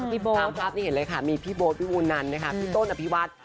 ทางภาพนี้เห็นเลยค่ะมีพี่โบ๊ทพี่มูลนันพี่โต้นพี่วัด